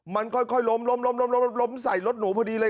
มันค่อยค่อยล้มล้มล้มล้มล้มล้มล้มใส่รถหนูพอดีเลย